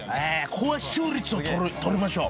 コア視聴率を取りましょう。